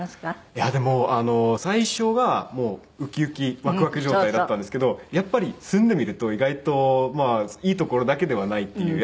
いやでも最初がウキウキワクワク状態だったんですけどやっぱり住んでみると意外といいところだけではないっていう。